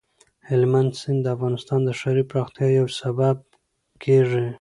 هلمند سیند د افغانستان د ښاري پراختیا یو سبب کېږي.